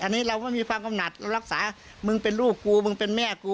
อันนี้เราก็มีความกำหนัดเรารักษามึงเป็นลูกกูมึงเป็นแม่กู